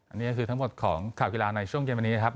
อันนี้ก็คือทั้งหมดของข่าวกีฬาในช่วงเย็นวันนี้นะครับ